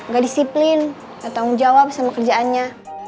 gak disiplin gak tanggung jawab sama kerjaannya